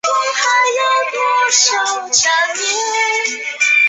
少林寺旗下的其它各项产业所带来的收入尚未计算在内。